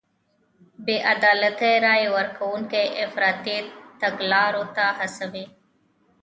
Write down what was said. بې عدالتۍ رای ورکوونکي افراطي تګلارو ته هڅوي.